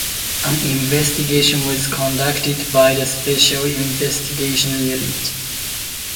An investigation was conducted by the Special Investigations Unit.